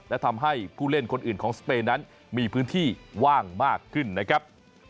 และทำให้ผู้เล่นคนอื่นของสเปนนั้นมีพื้นที่ว่างมากขึ้นนะครับ